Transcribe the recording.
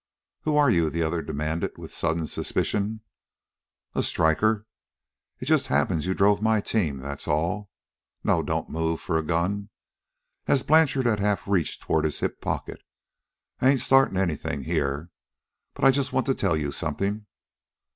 "Who are you?" the other demanded with sudden suspicion. "A striker. It just happens you drove my team, that's all. No; don't move for a gun." (As Blanchard half reached toward his hip pocket.) "I ain't startin' anythin' here. But I just want to tell you something."